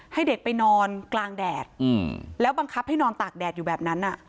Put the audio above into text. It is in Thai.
ให้เด็กไปนอนกลางแดดแล้วบังคับให้นอนตากแดดอยู่แบบนั้น